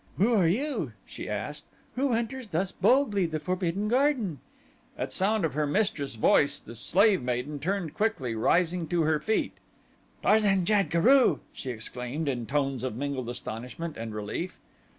"Who are you," she asked, "who enters thus boldly the Forbidden Garden?" At sound of her mistress' voice the slave maiden turned quickly, rising to her feet. "Tarzan jad guru!" she exclaimed in tones of mingled astonishment and relief.